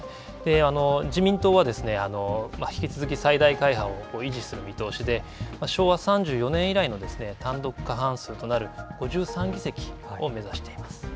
自民党は、引き続き最大会派を維持する見通しで、昭和３４年以来の単独過半数となる５３議席を目指しています。